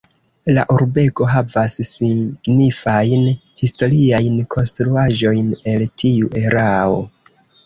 La urbego havas signifajn historiajn konstruaĵojn el tiu erao.